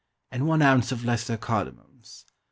_), and one ounce of lesser cardamoms.